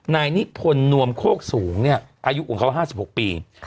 นายนิพนธ์นวมโคกสูงอายุของเขา๕๖ปี